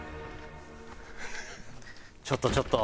ちょっとちょっと！